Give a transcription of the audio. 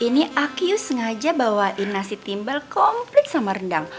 ini aki yu sengaja bawain nasi timbal komplit sama rendang